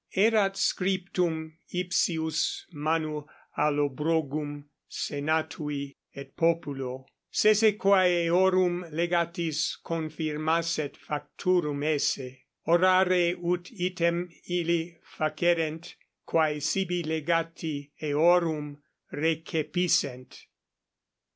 Erat scriptum ipsius manu Allobrogum senatui et populo, sese quae eorum legatis confirmasset facturum esse; orare ut item illi facerent quae sibi legati eorum recepissent.